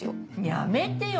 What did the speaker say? やめてよ